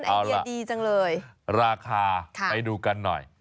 อ่าวละราคาไปดูกันหน่อย